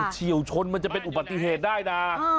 เฉียวชนมันจะเป็นอุบัติเหตุได้นะ